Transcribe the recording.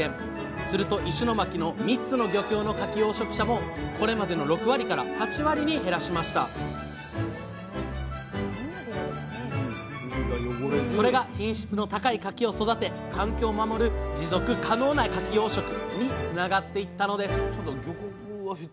すると石巻の３つの漁協のかき養殖者もこれまでの６割から８割に減らしましたそれが品質の高いかきを育て環境を守る持続可能なかき養殖につながっていったのです